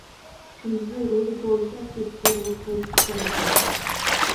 كۈندۈزى رۇدا كولىسا، كېچىسى رۇدا توشۇشقا توغرا كەلگەن.